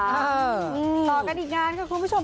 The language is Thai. ต่อกันอีกงานค่ะคุณผู้ชม